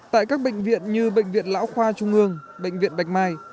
tại các bệnh viện như bệnh viện lão khoa trung ương bệnh viện bạch mai